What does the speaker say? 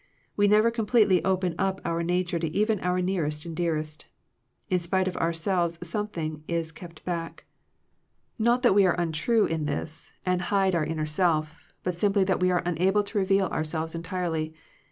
We never completely open up our nature to even our nearest and dearest. In spite of our selves something is kept back. Not that 203 Digitized by VjOOQIC THE LIMITS OF FRIENDSHIP we are untrue in this, and hide our innet self, but simply that we are unable to re veal ourselves entirely.